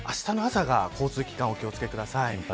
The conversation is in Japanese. あしたの朝、交通機関お気を付けください。